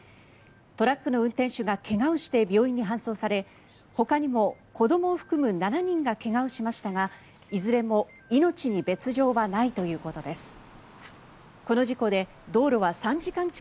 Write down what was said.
トラックの運転手が怪我をして病院に搬送されほかにも子どもを含む７人が怪我をしましたがいずれも命に別条はないということです。